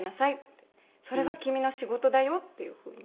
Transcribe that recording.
「それが君の仕事だよ」っていう風に。